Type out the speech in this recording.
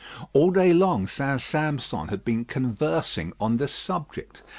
All day long St. Sampson had been conversing on this subject.